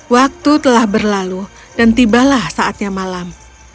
waktu telah berlalu dan tibalah saatnya malam